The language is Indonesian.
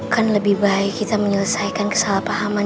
kan lebih baik kita menyelesaikan kesalahpahaman